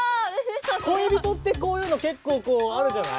恋人ってこういうの結構こうあるじゃない？